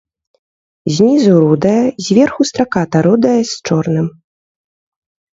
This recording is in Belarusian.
Знізу рудая, зверху страката рудая з чорным.